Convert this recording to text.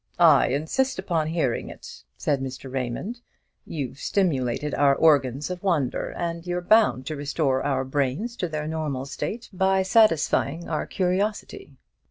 "I insist upon hearing it," said Mr. Raymond; "you've stimulated our organs of wonder, and you're bound to restore our brains to their normal state by satisfying our curiosity."